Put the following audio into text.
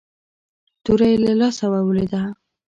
توره يې له لاسه ولوېده.